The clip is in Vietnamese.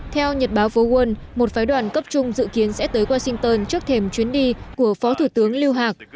theo nhật báo phố quân một phái đoàn cấp trung dự kiến sẽ tới washington trước thềm chuyến đi của phó thủ tướng lưu hạc